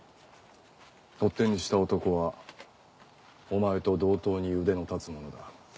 追っ手にした男はお前と同等に腕の立つ者だ。